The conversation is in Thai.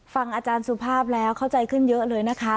ฟังอาจารย์สุภาพแล้วเข้าใจขึ้นเยอะเลยนะคะ